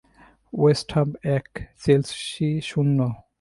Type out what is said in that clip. West Ham এক, Chelsea শুন্য।